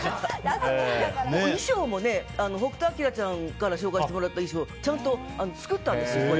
衣装も北斗晶ちゃんから紹介してもらった衣装ちゃんと作ったんですよ。